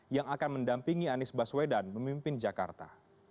yang akan mendampingi anies baswedan memimpin jakarta